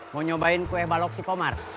mau nyobain kue balok si komar